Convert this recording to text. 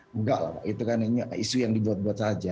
enggak lah itu kan isu yang dibuat buat saja